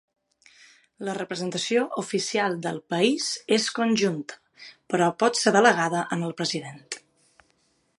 La representació oficial del país és conjunta, però pot ser delegada en el president.